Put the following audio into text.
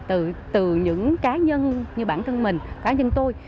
từ những cá nhân như bản thân mình cá nhân tôi